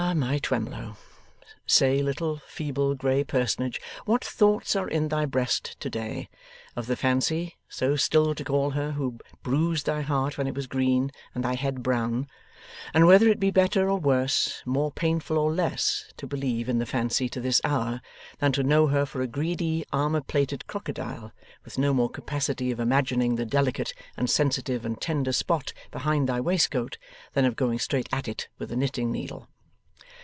my Twemlow! Say, little feeble grey personage, what thoughts are in thy breast to day, of the Fancy so still to call her who bruised thy heart when it was green and thy head brown and whether it be better or worse, more painful or less, to believe in the Fancy to this hour, than to know her for a greedy armour plated crocodile, with no more capacity of imagining the delicate and sensitive and tender spot behind thy waistcoat, than of going straight at it with a knitting needle.